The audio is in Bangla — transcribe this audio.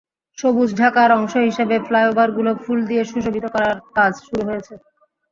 সবুজ ঢাকার অংশ হিসেবে ফ্লাইওভারগুলো ফুল দিয়ে সুশোভিত করার কাজ শুরু হয়েছে।